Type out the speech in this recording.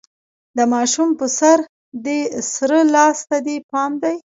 د ماشوم په سر، دې سره لاس ته دې پام دی؟